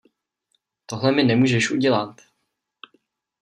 Tohle mi nemůžeš udělat.